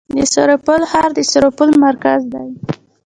د سرپل ښار د سرپل مرکز دی